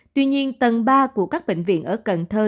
tuy nhiên tầng ba của các bệnh viện ở cần thơ